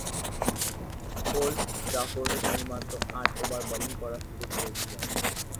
Old ট্রাফোর্ডে তিনি মাত্র আট ওভার বোলিং করার সুযোগ পেয়েছিলেন।